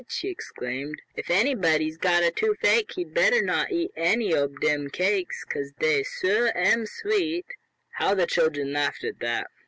she exclaimed. "If anybody's got a toofache he'd better not eat any ob dem cakes, 'cause dey suah am sweet." How the children laughed at that!